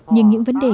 nhưng những vấn đề